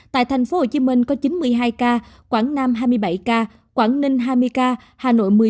tại tp hcm có chín mươi hai ca quảng nam hai mươi bảy ca quảng ninh hai mươi ca hà nội một mươi hai